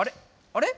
あれ？